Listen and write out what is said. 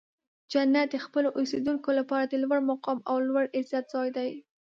جنت د خپلو اوسیدونکو لپاره د لوړ مقام او لوړ عزت ځای دی.